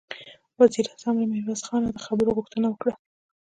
وزير اعظم له ميرويس خانه د خبرو غوښتنه وکړه.